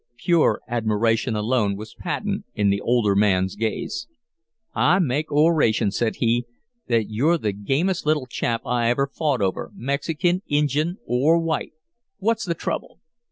Pure admiration alone was patent in the older man's gaze. "I make oration," said he, "that you're the gamest little chap I ever fought over, Mexikin, Injun, or white. What's the trouble?"